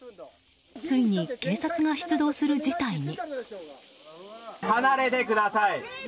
ついに警察が出動する事態に。